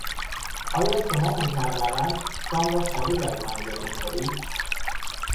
آیا شما مکررا شام را خارج از منزل میخورید؟